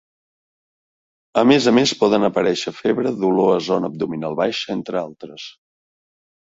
A més a més, poden aparèixer febre, dolor a zona abdominal baixa, entre altres.